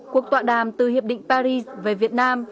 cuộc tọa đàm từ hiệp định paris về việt nam